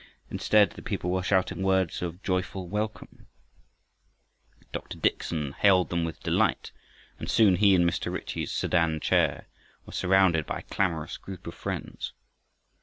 Instead the people were shouting words of joyful welcome. Dr. Dickson hailed them with delight, and soon he and Mr. Ritchie's sedan chair were surrounded by a clamorous group of friends.